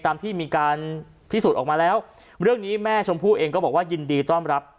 ตามที่มีการพิสูจน์ออกมาแล้วเรื่องนี้แม่ชมพู่เองก็บอกว่ายินดีต้อนรับ